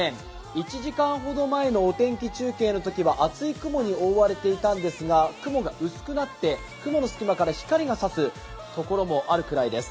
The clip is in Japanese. １時間ほど前のお天気中継のときは厚い雲に覆われていたんですが雲が薄くなって雲の隙間から光が差すところもあるぐらいです。